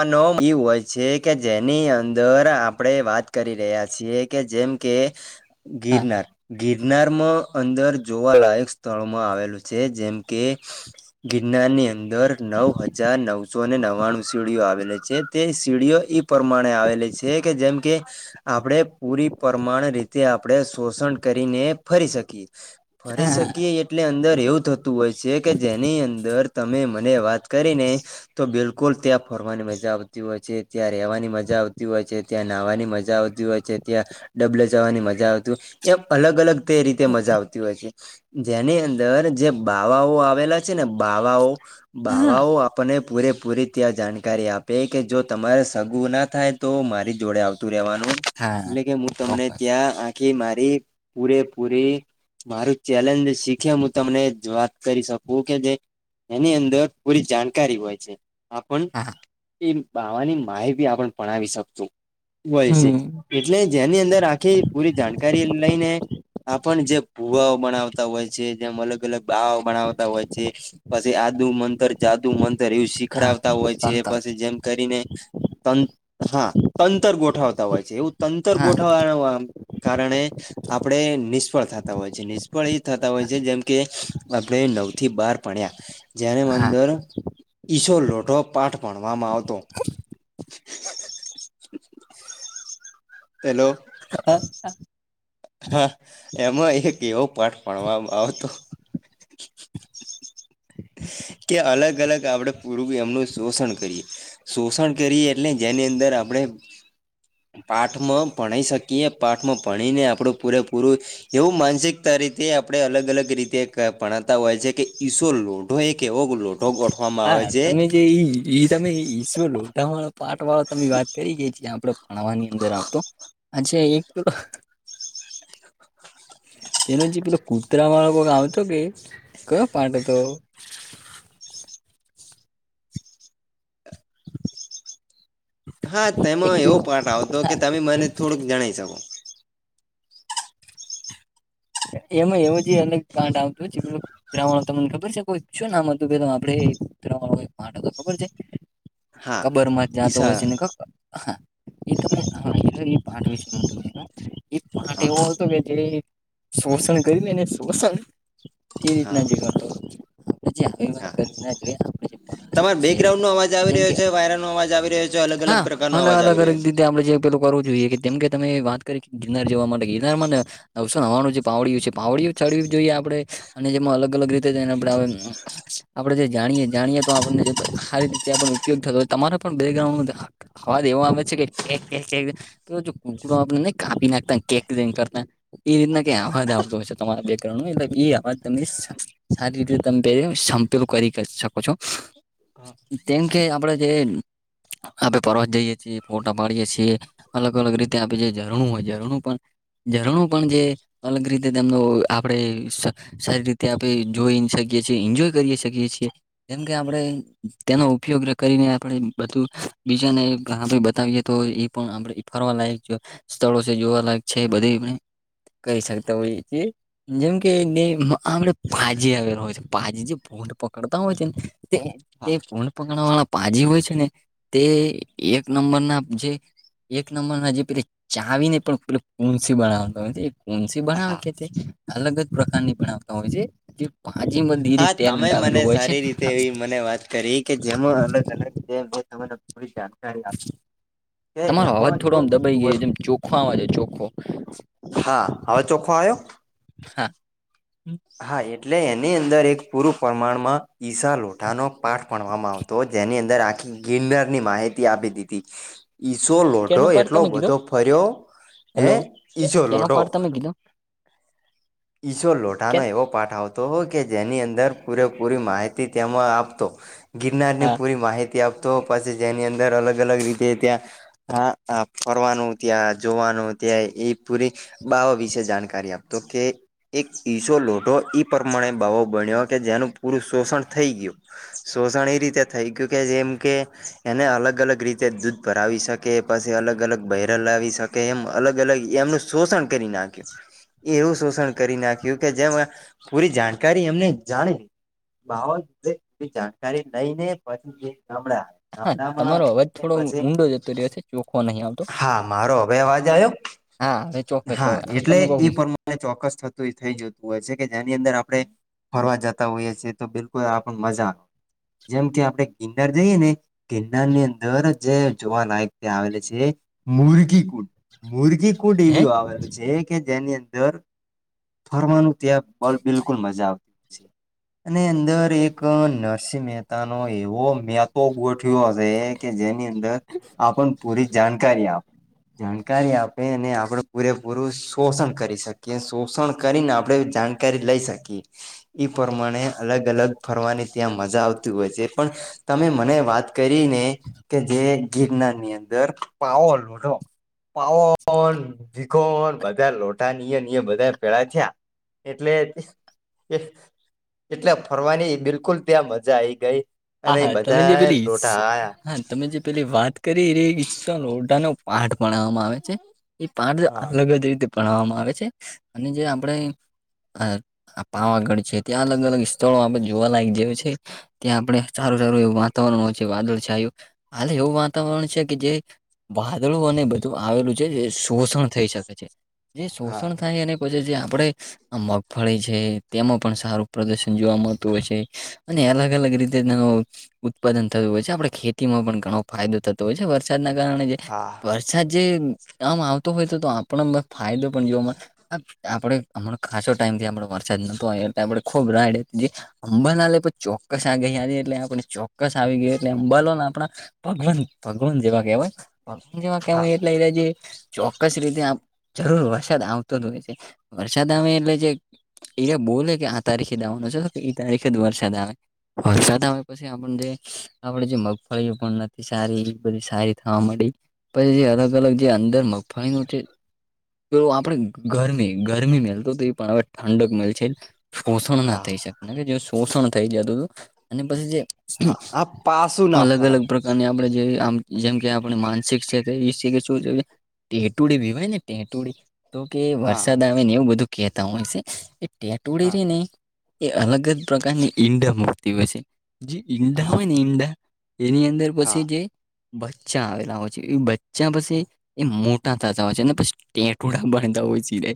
અનોમ ઈ હોય છે કે જેની અંદર આપણે વાત કરી રહ્યા છીએ કે જેમ. કે હા ગિરનાર ગિરનારમ અંદર જોવાલાયક સ્તળમા આવેલુ છે જેમ કે, ગિરનારની અંદર નવ હજાર નવસોને નવ્વાણું સીડીઓ આવેલી છે તે સીડીઓ પ્રમાણે આવેલી છે કે જેમ કે, આપડે પૂરી પરમાણ રીતે આપણે સોસણ કરીને ફરી શકીએ. ફરી હા સકીએ એટલે અંદર એવુ થ તું હોય છે કે જેની અંદર તમે મને વાત કરીને તો બિલકુલ તા ફરવાની મજા આવતી હોય છે, ત્યા રહેવાની મજા આવતી હોય છે, ત્યા નહવાની મજા આવતી હોય છે, ત્યા ડબ્લે જવાની મજા આવતુ એમ અલગ અલગ તે રીતે મજા આ તી હોય છે. જેની અંદર જે બાવાઓ આવેલા છે ને બાવાઓ હા બાવાઓ આપને પૂરેપૂરી ત્યા જાણકારી આપે કે જો તમારે સગુ ના થાય તો મારી જોડે આવતુ રેવાનુ. હા એટલે કે મુ તમને ચોક્કસ ત્યાં કે મારી પૂરેપૂરી મારુ ચેલેન્જ શીખે હુ તમને કરી સકુ કે, જે એની અંદર પૂરી જાણકારી હોય છે. પણ હા એ બાવાની માય બી આપણ પણાવી શકશું હમ [unintelligible] એટલે જેની અંદર આખી પૂરી જાણકારી લઈને આપણ જે ભુવાઓ ભણાવતા હોય છે જેમ અલગ અલગ બાઆઓ બણાવતા હોય છે, પછી આદુ મંતર જાદુ મંતર એવુ શી હા ખરાવતા હોય છે એ તંતર પસી જેમ કરીને તન હા તંતર ગોઠવતા હોય છે એવુ તંતર હા ગોઠવવા કારણે આપડે નિસ્ફળ થ તા હોય છે. નિસ્ફળ એ થતા હોય છે જેમ કે, આપણે નવ થી બાર બન્યા. જેને હા અંદર ઈસોર લોઢો પાઠ ભણવામાં આવતો. હેલો. હા હા. હા, એમાય એક એવો પાઠ ભણવામા આવતો. કે અલગ અલગ આપડે પૂરુ એમનુ સોસણ કરીએ. સોસણ કરીએ એટલે જેની અંદર આપડે પાઠમા ભણાઈ શકીએ પાઠમ ભણીને આપડુ પૂરેપૂરુ એવું માનસિકતા રીતે આપડે અલગ અલગ રીતે કા ભણાતા હોય છે કે ઈસો લોઢો એ એવો કુ લોગ. હા તમે જે ઈ ઈ તમે ઈ ઈ શું લો તમે પાટ વાળો તમમે વાત કરી ગઈ છી આપડ તણવાની અંદર આવતો, આછ એક તેનો જે પેલો કૂતરા માળો કોક આવતો કે કયો પટો હતો. હા એક તેમાં એવો પેલો પાર્ટ આવતો કે હા તમે મને થોડુંક જણાવ શકો. એમાં એવું જ અલગ કંડ આવતો છે એ ત્રાવણ તમને ખબર છે કોઈ શુંને આમ હતું કે આપડેણ માટે તો ખબર છે? હા કબર માં જ જતો હોય ઈશા છે ને ક. હા, એ તમે હ એ એ પાઠ વિશેય પાઠ હા એ કે જે શોષણ કરી લેને શોષણ એ હા રીતના જેવાતો. આપ આવી વાત હા કરવી ના જોઈએ આપ તમારે બેકગ્રાઉન્ડ નો અવાજ આવી રહ્યો છે વાયરાનોો અવાજ આવી રહ્યો છે અલગ હા અલગ પ્રકારનો અવાજ અલગ આવી અલગ રહ્યો છે. રીતે આપડે જે પેલું કરવું જોઈએ કે કેમ કે તમે વાત કરી ગિરનાર જવા માટે ગિરનાર ને. અવસ નવાનું જે પાવડી છે પાવડીઓ ચડવી જોઈએ આપણે, અને જેમાં અલગ અલગ રીતે જને આપણે આપડણે જે જાણીએે જાણીએ તો આપણને સારી રીતે ઉપયોગ થતો હોય તમારા પણ બેકગ્રાઉન્ડ ન હવા તો એવુંમ છે કેક. તો કુકડું આપણેને કાપી નાખતા કેક કરતા. એ રીતના કઈ અવાજ આવતો હોય છે તમારા બેક નો એટલે એ અવાજ તમને સારી રીતે તમે પ સંપલ કરી શકો છો. કેમ કે આપડે જે આપે પરવત જઈએ છીએ ફોટા પાડીએ છીએ. અલગ અલગ રીતે આપ જે ઝરણું હોય ઝરણું પણ ઝરણું પણ જે અલગ રીતે તેમનો આપણે સારી રીતે આપણે જોઈ શકીએ છીએ એન્જોય કરી શકીએ છીએ. જેમકે આપણે તેનો ઉપયોગ કરીને આપણે બધું, બીજાને બતાવીએ તો પણ આપણે ફરવાલાયક, સ્થળો છે જોવાલાયક છે બધી કહી શકતા હોય ચી. જેમ કેને આપડ ભાજી આવેલા હોય છે ભાજી જે ભોંડ પકડતા હોય છે ને, તે તે હા ભૂડ પકડવા વાળા પાજી હોય છે ને, તે એક નંબર ના જે એક નંબર ના જે પે ચાવી ને પણ પે પંસી બનાવવાનું. કોસી બનાવે હા કે તે અલગ જ પ્રકારની બનાવતા હોય છે. ભાજી મ હા તમે મને સારી રીતે એવી મને વાત કરી કે જેમ અલગ અલગ. તેમ મેં તને પૂરી જાણકારી આપી. તમારો અવાજ થોડો આમ દબાઈ ગયો જેમ ચોખ્ખો આવા છે ચોખો. હા હવે ચોખ્ખો આવ્યો? હા. હા એટલે એની અંદર એક પૂરું પ્રમાણમાં ઈશા લોઠાનો પાઠ ભણવામાં આવતો. તો જેની અંદર આખી ગિનર ની માહિતી આપી દીધી. હ [inaudible] ઈસો ક લોઢો ન પારઠ એટલો તમે કીધો? બધો ફર્યો હે હલો ઈસો કનો લોઢો પઠ તમે કીધો? ઈશોર કે લોઠાનો એવો પાઠ આવતો કે જેની અંદર પૂરેપૂરી માહિતી તેમાં આપતો. ગિરનારની હા પૂરી માહિતી આપતો, પછી જેની અંદર અલગ અલગ રીતે એ ત્યાં હા હ ફરવાનું ત્યાં જોવાનું ત્યાં એ પૂરી બાવા વિશે જાણકારી આપતો કે એક ઈસો લોઢો ઈ પ્રમાણે ભાવો બન્યો કે જેનું પૂરું શોષણ થઈ ગયું. શોષણ એ રીતે થઈ ગયું કે જેમ કે, એને અલગ અલગ રીતે દૂધ પર આવી શકે પસે અલગ અલગ બૈરલ આવી શકે એમ અલગ અલગ એમનું શોષણ કરી નાખ્યું. એવું શોષણ કરી નાખ્યું કે જેમ, પૂરી જાણકારી એમને જાણી. બાાવલ એ જાણકારી નઈ ને પછી નળ આવે. હા તમારો અવાજ થોડો ઊંડો જતો રહ્યો છે ચોખો નહી આવતો. હા મારો હવે અવાજ આયો? હા હવે ચોક્કસ હા હવે એટલે તમે કો એ પ્રમાણે ચોક્કસ થ તો ઈ થઈ જતું હોય છે કે જેની અંદર આપડે ફરવા જતા હોઈએ છીએ તો બિલકુલ આપણ મજા જેમ કે આપડે ગિનાર જઈએ ને ગિરનાર ની અંદર જે જોવા લાયક ત્યાં આવેલ છે, મુર્ગી કુંડ, મુર્ગી કુંડ હે એવી વાવેલું જે કે જેની અંદર ફરવાનું ત્યાં બલ બિલકુલ મજા આવતી હોય છે અને અંદર એક નર સિંહ મહેતા નો એવો મે આતો ગોઠ વ્યો હશે કે જેની અંદર આપન પૂરી જાણકારી આપ જાણકારી આપે ને આપડે પૂરેપૂરું શોષણ કરી શકીએ શોષણ કરીને આપણેે જાણકારી લઈ શકીએ. ઈ પરમાણે અલગ અલગ ફરવાની ત્યાં મજા આવ તું હોય છે પણ તમે મને વાત કરીને કે જે ગિરનાર ની અંદર પાવર લોઠો પાવન, ભીખોન બધા લોટા ન ઇયા ન ઇયા બ પેડા થ્યા એટલે એ એટલે ફરવાની બિલકુલ ત્યાં મજા આઈ ગઈ હા અને હા તમે જે બધા પેલી લોઢા આયા. હા તમે જે પેલી વાત કરી રે ગરડા નો પાઠ ભણાવામાં આવે છે. એ પાઠ આયા અલગ જ રીતે ભણાવામાં આવે છે અને જે આપણે અ આ પાવાગઢ છે ત્યાં અલગ અલગ સ્થળો આપણે જોવા લાયક જેવું છે ત્યાં આપણે સારું સારું એવું વાતાવરણ હોય છે વાદળછાયું. હાલે એવું વાતાવરણ છે કે જે વાદળું અને બધું આવેલું છે જે શોષણ થઈ શકે છે. જે હા હા શોષણ થાય અને કોઈ જે જે આપણે આ મગફળી છે તેમાં પણ સારું પ્રદર્શન જોવા મળતું હોય છે અને અલગ અલગ રી [unintelligible] ઉત્પાદન થતું હોય છે આપણે ખેતીમાં પણ ઘણો ફાયદો થતો હોય છે. વર સાદના કારણે જે હા વરસાદ જે આમ આવતો હોય તો તો આપણો ફાયદો પણ જોવા મળ હ આપડે હમણા કાસો ટાઈમ થી આપડો વરસાદ નતો આપે ખુબ [unintelligible] અંબાના લય પ ચોક્કસ આ ગઈ ન્યારી એટલે આપને ચોક્કસ આવી ગય એટલે બલોવા આપણા ભગવાન ભગવાન જેવા કેહેવાય જેવા હા કેવાય એટલે અઈરા જે ચોક્કસ રીતે જરૂર વરસાદ આવતો જ હોય છે. વરસાદ આવે એટલે જે ઈરે બોલે કે આ તારીખે દવાનો છે તો કે એ તારીખે જ વરસાદ આવે. વરસાદ આવે પછી આપણ જે આપડે જે મગફળીઓ પણ નથી સારી એ બધી સારી થવા માંડી પછી જે અલગ અલગ જે અંદર મગફળીનું છે જો આપણે ગરમી ગરમી મેલ તો તો એ પણ હવે ઠંડક મેલ છે. શોષણ ના હા થઈ શક ન કે જે શોષણ થઈ જતું તું અને પછી જે હા આ પાસું ના અલગ અલગ ફરાય પ્ર કારની આપણે જે આમ જેમ કે આપ માનસિક ક્ષેત્ર ઈ શે કે શું છે કે ટેહટુડી ભીવાય ને ટેહટુડી તો કે હા વરસાદ આવે ને એવું બધું કેહતા હોય છે. એ ટેહટુડી હા રી ને એ અલગ જ પ્રકારની ઈંડા મુકતી હોય છે, જે ઈંડા હા હોય ને ઈંડા એની અંદર હા પછી જે બચ્ચા આવેલા હોય છે એ બચ્ચા પસી એ મોટા થતા હોય છે ને પછ ટેટુડા બાનતા હોય છી રે.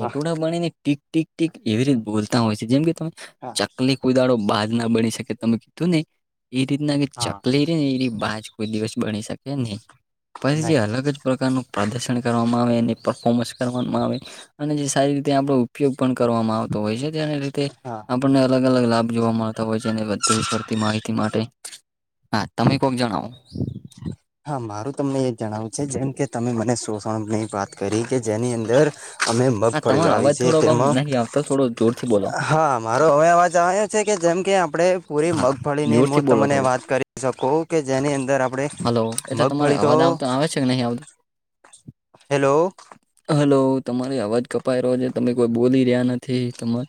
હા એટોડા બનીને ટીક ટીક ટીક એવી રીતે બોલતા હોય છે જેમ કે તમે હા ચકલી કોઈ દાળો બાગ ના બની શકે તમે કીધું ને એ રીતના કે હા ચકલી એ એની બાજ કોઈ દિવસ બની શકે નહી. પછી નહી અલગ જ પ્રકારનું પ્રદર્શન કરવામાં આવે અને પરફોર્મન્સ કરવામાં આવે અને જે સારી રીતે આપણું ઉપયોગ પણ કરવામાં આવતો હોય છે, તેને લીધે હા આપણને અલગ અલગ લાભ જોવા મળતા હોય છે, ને વધુ પડતી માહિતી માટે, હા, તમે કોક જણાવો. હા, મારું તમને એ જણાવું છે જેમ કે તમે મને સોષણની વાત કરી કે જેની અંદર અમે મગફળી વાવી છે તેમાં તો થોડો જોરથી બોલો. હા મારો હવે અવાજ આવે છે? કે જેમ કે આપડે પૂરી હા મગફળીની મુ જોરથી બોલો તમને થોડું વાત કરી સકુ કે જેની અંદર આપ હલો, એટલે તમારો અવાજ આવતો આવે છે કે નહી આવતો? હેલો હલો, તમારી અવાજ કપાઈ રહ્યો છે, તમે કોઈ બોલી રહ્યા નથી તમા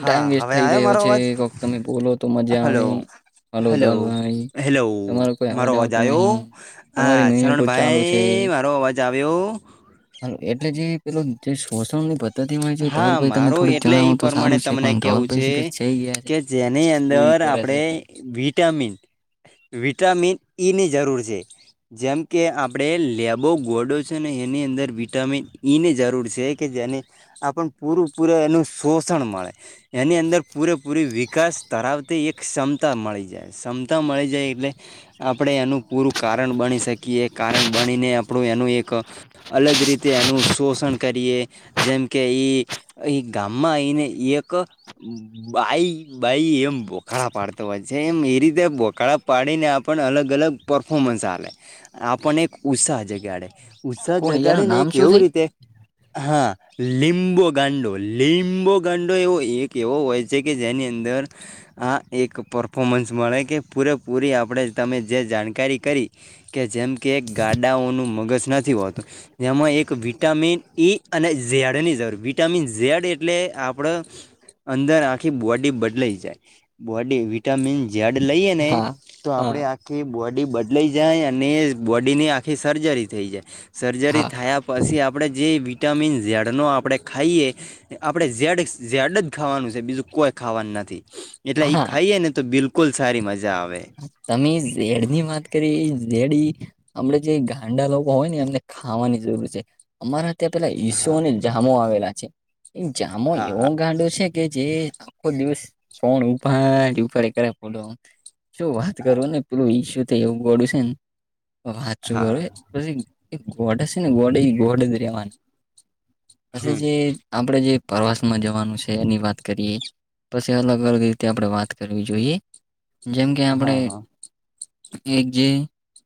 હા ટાઈમ વેસ્ટ હવે થઈ આવ્યો રહ્યો મારો છે, અવાજ કોક તમે બોલો તો મજા આવે હલો હલો ધવલભાઈ, હેલો તમારો કોઈ મારો અવાજ આવતો આયો? નહીં. તમારી હા, મિનિટો ચરણ ચાલુ છે. ભાઈ, મારો અવાજ આવ્યો? એટલે જે પેલું જે શોષણ ને ભ ધતિ હોય છે, હા ધવલભાઈ તમે મારો થોડુક એટલે જણાવો એ તો પ્રમાણે સારું છે, તમને પણ કેવું ધવલભાઈ શી ખર છે ક્યાં? કે જેની અંદર આપડે વિટામિન વિટામિન ઈની જરૂર છે જેમ કે આપણે લેબો ગોડો છે ને એની અંદર વિટામિન ઈ ની જરૂર છે કે જેની આપણ પૂરું પૂરે એનું સોષણ મળે એની અંદર પૂરેપૂરી વિકાસ ધરાવતી એક ક્ષમતા મળી જાય ક્ષમતા મળી જાય એટલે આપણે એનું પૂરું કારણ ભણી શક કીએ, કારણ ભણીને આપણું એનું એક, અલગ રીતે એનું સોષણ કરીએ જેમ કે ઈ અહીં ગામમાં એઈને એક બાઈ બાઈ એમ બોખળા પાડતો હોય છે, એમ એ રીતે બોખાળા પાડીને આપણ અલગ અલગ પરફોર્મન્સ આલ, આપણને એક ઉત્સાહ જગાડ ઉસાહ કોણ એનું જગાડીને નામ શું કેવું છે? રીતે? હા લીંબો ગાંડો, લીંબો ગાંડો, એવો એક એવો હોય છે કે જેની અંદર આ એક પરફોમન્સ મળે કે પૂરેપૂરી આપણે તમે જે જાણકારી કરી કે જેમ કે એક ગાડાઓનું મગજ નથી હોતું જેમાં એક વિટામિન ઈ અને સ ઝેડનીં જરૂર, વિટામિન ઝેડ એટલે આપણ અંદર આખી બોડી બદલાઈ જાય. બોડી વિટામિન જેડ લઈએ ને, હા, તો હા, આપડે આ આખી બોડી બદલાઈ જાય, અને એ જ બોડી ની આખી સર્જરી થઈ જાય. સર્જરી હા, થાયા પછી, આપણે જે વિટામિન ઝેડ ડ નો આપણે ખઈએ, આપણે ઝેડ, ઝેડ જ ખાવાનું છે બીજું કોઈ ખાવાનું નથી. એટલે ઈ હા. ખઈએ ને, તો બિલકુલ સારી મજા આવે તમે ઝેડની વાત કરી, ઝેડ આપડે જે ગાંડા લોકો હોય ને, એમને ખાવાની જરૂર છે અમારા ત્યાં પેલા ઈસુ હા અને જામો આવેલા છે, એ જામો હા એવો ગાંડો છે કે જે આખો દિવસ છોણ ઉપાડ ઉપાડ કરે બોલો શું વાત હા કરો ને પેલું ઈસુ થ એવું ગોંડુ છે ને તો વાત શું કરો હા પછી ગોડ છે ને ગોડ એ ગોડ જ રહેેવાનું. પછે હમ જે આપડે જે પ્રવાસમાં જવાનું છે એની વાત કરીએ, પછી અલગ અલગ રીતે આપણે વાત કરવી જોઈએ. જેમ કે હા આપણેે હા એક જે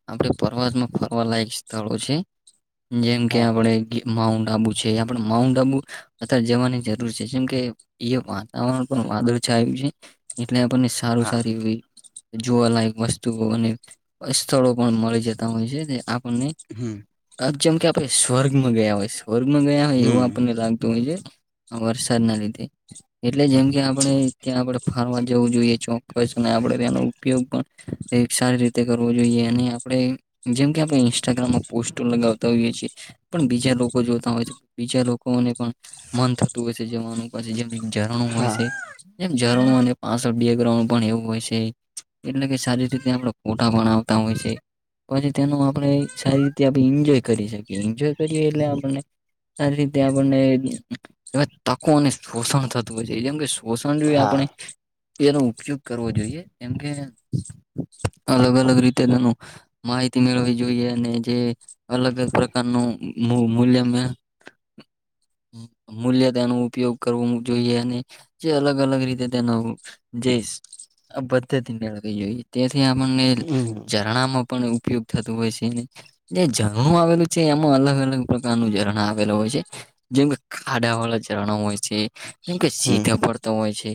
આપડે પ્રવાસમાં ફરવાલાયક સ્થળો છે. જેમ કે હા હા આપણે કે માઉન્ટ આબુ છે આપડ માઉન્ટ આબુ અતાર જવાની જરૂર છે જેમ કે એ વાતાવરણ પણ વાદળછાયું છે એટલે આપણને સારું હા સારી એવી જોવાલાયક વસ્તુઓ અને સ્થળો પણ મળી જતા હોય છે તે આપણને હમ આ ચમ કે આપણે સ્વર્ગમાં ગયા હોય સ્વર્ગમાં ગયા હોય એવું હમ આપણને લાગતું હોય છે વરસાદ ના લીઘે. એટલે જેમ કે આપડે ત્યાં આપડે ફારવા જવું જોઈએ ચોક્કસને આપડે. તેનો ઉપયોગ પણ એક સારી રીતે કરવો જોઈએ અને આપણે જેમ કે આપણે ઇન્સ્ટાગ્રામમાં પોસ્ટો લગાવતા હોઈએ છીએ. પણ બીજા લોકો જોતા હોય છે બીજા લોકોને પણ મન થતું હોય છે જવાનું. પછી જેમ ઝરણું હોય હા છે એમ ઝરણું અને પાછળ બેંગ -ગાઉડપણ એવું હોય છે. એટલે કે સારી રીતે આપણે ફોટા બનાવતા હોય છે. પછી તેનું આપણે સારી રીતે આપણે એન્જોય કરી શકીએ એન્જોય કરીએ એટલે આપણે આ રીતે આપણને તકો અને શોષણ થતું હો છે જેમ કે. પોષણ જો હા આપણે એનો ઉપયોગ કરવો જોઈએ કેમ કે. અલગ અલગ રીતે તેનું. માહિતી મેળવી જોઈએ અને જે અલગજ પ્રકારનું મૂલ મૂલ્ય મે. મૂલ્યતા નુ ઉપયોગ કરવો જોઈએ અને. જે અલગ અલગ રીતે તેનું જેશ આપન. ઈ તેથી આપને હમ ઝરણામાં પણ ઉપયોગ. થતું હોય છે ન જે ઝરણું આવેલું છે એમાં અલગ અલગ પ્રકારનું ઝરણા આવેલું હોય છે. જેમ કે ખાડા વાળા ઝરણો હોય છે. કેમ કે હમ સીધ ફરતો હોય છે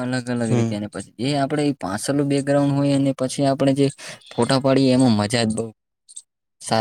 અલગ અલગ હમ રીતે એને પછી જે આપડે. પાછલું બેકગ્રાઉન્ડ હોય અને પછી આપડે જે ફોટા પાડીએ એમાં મજા જ બઉુ